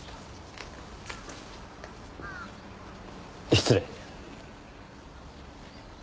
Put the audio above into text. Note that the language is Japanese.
失礼。